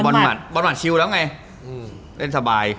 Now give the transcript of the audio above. บอนหมัดชิวแล้วไง